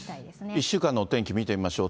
１週間のお天気、見てみましょう。